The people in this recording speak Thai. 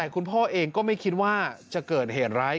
คุณพ่อเองก็ไม่คิดว่าจะเกิดเหตุร้าย